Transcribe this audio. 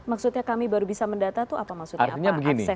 maksudnya kami baru bisa mendata itu apa maksudnya apa aksesnya atau bagaimana